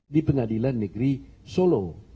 di pengadilan negeri solo